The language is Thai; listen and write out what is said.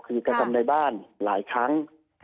คือกระทำในบ้านหลายครั้ง